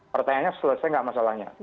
pertanyaannya selesai nggak masalahnya